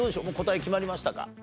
もう答え決まりましたか？